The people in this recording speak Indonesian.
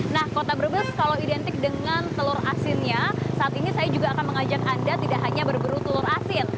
nah kota brebes kalau identik dengan telur asinnya saat ini saya juga akan mengajak anda tidak hanya berburu telur asin